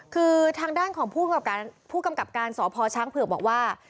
คือทางด้านของผู้กำกับการผู้กำกับการสพชั้งเผื่อบอกว่า